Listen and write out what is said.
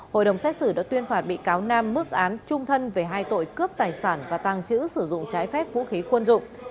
hội đồng xét xử đã tuyên phạt bị cáo nam mức án trung thân về hai tội cướp tài sản và tàng trữ sử dụng trái phép vũ khí quân dụng